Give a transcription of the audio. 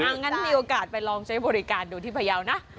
อันนั้นมีโอกาสไปลองใช้บริการดูที่พยาวิทยาลัยนะ